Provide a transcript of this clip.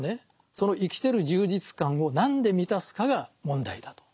その生きてる充実感を何で満たすかが問題だと。